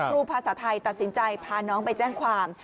ภาษาไทยตัดสินใจพาน้องไปแจ้งความ